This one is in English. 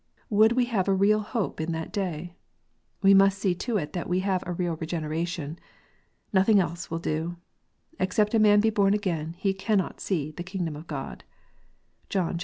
Would we have a real hope in that day ? We must see to it that we have a real Regeneration. Nothing else will do. "Except a man be born again, he cannot see the kingdom of God." (John iii.